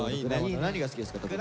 何が好きですか？